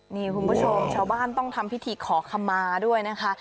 นี่คุณผู้ชมชาวบ้านต้องทำพิธีขอขมาด้วยนะคะ